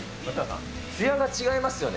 つやが違いますよね。